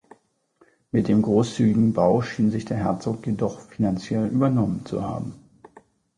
Mit dem großzügigen Bau schien sich der Herzog jedoch finanziell übernommen zu haben.